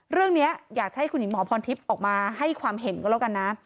เรื่องนี้อยากให้คุณหญิงหมอพรทิพย์ออกมาให้ความเห็นก็แล้วกันนะ